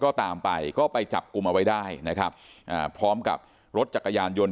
ก็ตามไปก็ไปจับกลุ่มเอาไว้ได้นะครับอ่าพร้อมกับรถจักรยานยนต์